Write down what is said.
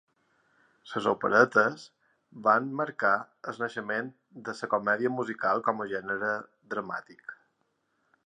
Les operetes van marcar el naixement de la comèdia musical com a gènere dramàtic.